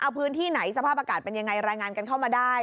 เอาพื้นที่ไหนสภาพอากาศเป็นยังไงรายงานกันเข้ามาได้